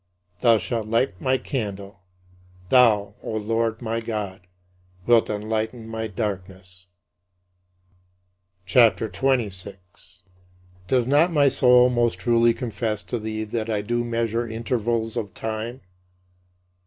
Thou shalt light my candle; thou, O Lord my God, wilt enlighten my darkness. CHAPTER XXVI 33. Does not my soul most truly confess to thee that I do measure intervals of time?